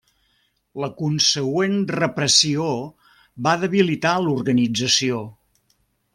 La consegüent repressió va debilitar l'organització.